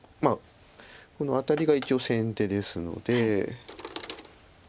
このアタリが一応先手ですので。